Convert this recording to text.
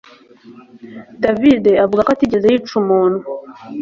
David avuga ko atigeze yica umuntu